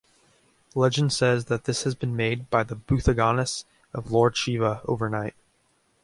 Legend says that this has been made by the "Bhuthaganas" of Lord Shiva overnight.